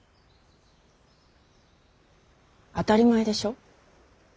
当たり前でしょう。